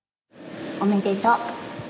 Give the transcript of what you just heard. おめでとう。